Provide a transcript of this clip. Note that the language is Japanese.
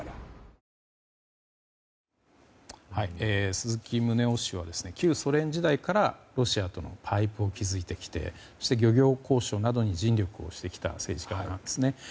鈴木宗男氏は旧ソ連時代からロシアとのパイプを築いてきてそして漁業交渉などに尽力してきた政治家なんですね。